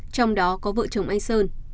trong đó có vợ chồng anh sơn